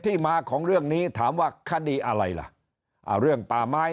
มาของเรื่องนี้ถามว่าคดีอะไรล่ะอ่าเรื่องป่าไม้